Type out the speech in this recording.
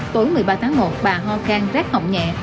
tối một mươi ba tháng một bà ho khang rác hỏng nhẹ